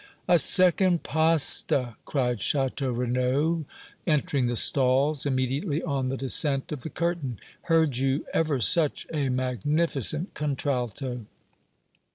"A second Pasta!" cried Château Renaud, entering the stalls immediately on the descent of the curtain. "Heard you ever such a magnificent contralto?"